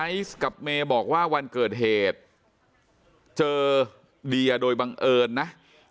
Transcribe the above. กับเมย์บอกว่าวันเกิดเหตุเจอเดียโดยบังเอิญนะ